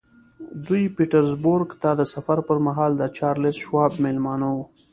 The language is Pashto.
دوی پیټرزبورګ ته د سفر پر مهال د چارلیس شواب مېلمانه وو